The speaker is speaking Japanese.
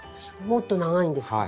もっと長いんですか？